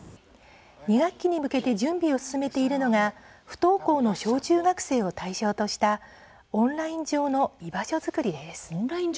２学期に向けて準備を進めているのが不登校の小中学生を対象としたオンライン上の居場所作りです。